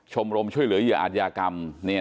ชมรมช่วยเหลือเหยื่ออาจยากรรม